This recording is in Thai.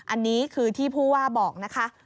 อันนี้คือที่ผู้ว่าบอกนะคะ